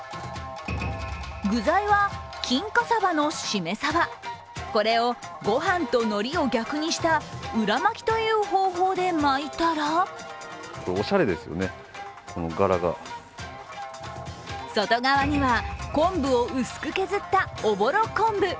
具材は、金華サバのしめサバ、これをごはんとのりを逆にした裏巻きという方法で巻いたら外側には昆布を薄く削ったおぼろ昆布。